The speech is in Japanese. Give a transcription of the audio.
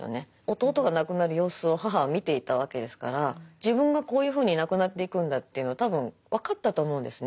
弟が亡くなる様子を母は見ていたわけですから自分がこういうふうに亡くなっていくんだっていうのは多分分かったと思うんですね。